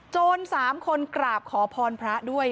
๓คนกราบขอพรพระด้วย